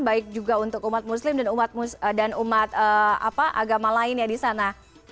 baik juga untuk umat muslim dan umat agama lain ya di sana